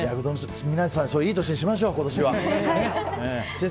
皆さん、いい年にしましょう。